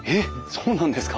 そうなんですか。